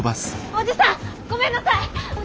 おじさんごめんなさい！